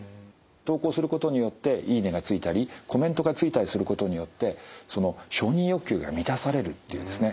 投稿することによって「いいね」がついたりコメントがついたりすることによって承認欲求が満たされるっていうですね